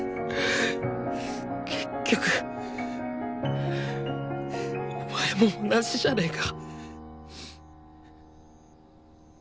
結局お前も同じじゃねか。